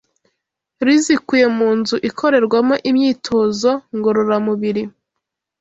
ruzikuye mu nzu ikorerwamo imyitozo ngororamubiri.